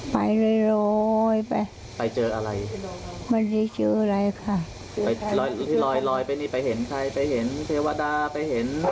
ไปเรื่อยไป